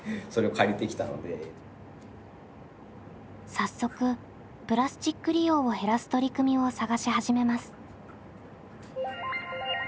早速プラスチック利用を減らす取り組みを探し始めます。